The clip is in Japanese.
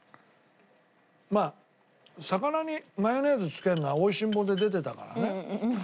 まあ魚にマヨネーズつけるのは『美味しんぼ』で出てたからね。